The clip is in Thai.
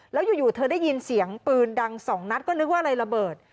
แล้วอยู่เธอได้ยินเสียงปืนดังสองนัดก็นึกว่าอะไรระเบิด